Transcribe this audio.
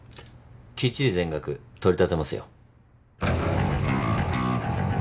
きっちり全額取り立てますよ。